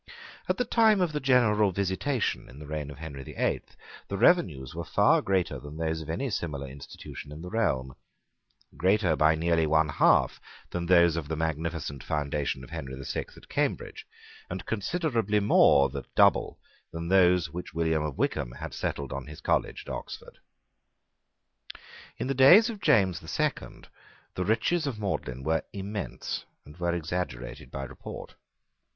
At the time of the general visitation in the reign of Henry the Eighth the revenues were far greater than those of any similar institution in the realm, greater by nearly one half than those of the magnificent foundation of Henry the Sixth at Cambridge, and considerably more than double those which William of Wykeham had settled on his college at Oxford. In the days of James the Second the riches of Magdalene were immense, and were exaggerated by report.